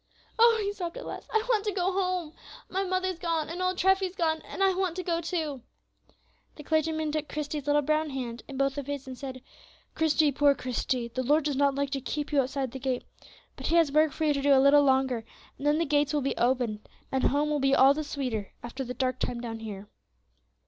"Oh!" he sobbed at last, "I want to go home; my mother's gone, and old Treffy's gone, and I want to go too." The clergyman took Christie's little brown hand in both of his, and said, "Christie, poor little Christie, the Lord does not like to keep you outside the gate; but He has work for you to do a little longer, and then the gates will be opened, and home will be all the sweeter after the dark time down here."